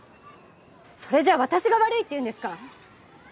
それじゃあ私が悪いって言うんですか！？